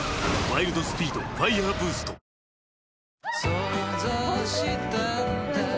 想像したんだ